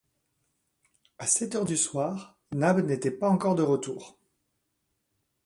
À sept heures du soir, Nab n’était pas encore de retour.